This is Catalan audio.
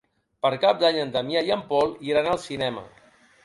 Per Cap d'Any en Damià i en Pol iran al cinema.